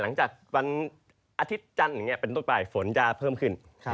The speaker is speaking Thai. หลังจากวันอาทิตย์จันทร์เป็นต้นปลายฝนจะเพิ่มขึ้น